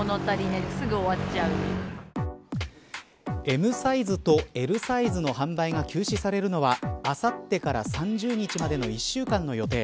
ＭサイズとＬサイズの販売が休止されるのはあさってから３０日までの１週間の予定。